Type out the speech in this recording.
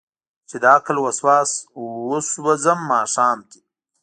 چې دعقل وسواس وسو ځم ماښام کې